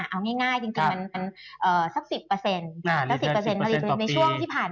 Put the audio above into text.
เอาง่ายจริง